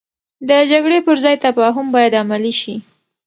د جګړې پر ځای تفاهم باید عملي شي.